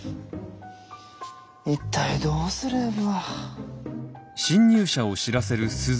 一体どうすれば？